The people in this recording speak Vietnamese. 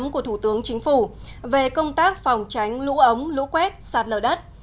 của thủ tướng chính phủ về công tác phòng tránh lũ ống lũ quét sạt lở đất